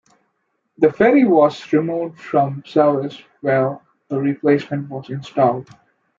The ferry was removed from service while a replacement was installed.